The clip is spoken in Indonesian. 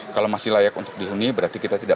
kalau masih layak untuk dihuni berarti kita tidak